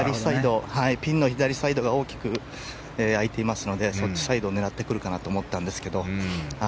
ピンの左サイドが大きく空いていますのでそっちサイドを狙ってくるかなと思ったんですけど